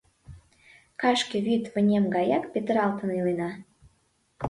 Кашке вӱд вынем гаяк петыралтын иленна.